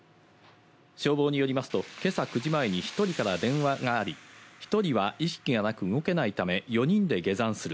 消防によりますと今朝９時前に１人から電話があり、１人は意識がなく動けないため４人で下山する。